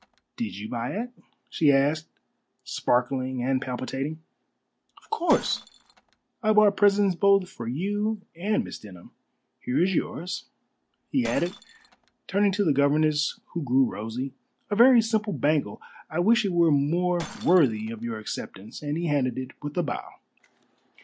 "Did you buy it?" she asked, sparkling and palpitating. "Of course. I bought presents both for you and Miss Denham. Here is yours," he added, turning to the governess, who grew rosy, "a very simple bangle. I wish it were more worthy of your acceptance," and he handed it with a bow.